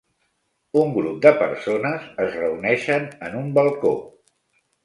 Un grup de persones es reuneixen en un balcó.